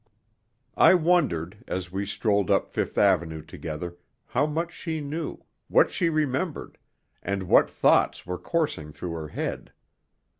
I wondered, as we strolled up Fifth Avenue together, how much she knew, what she remembered, and what thoughts went coursing through her head.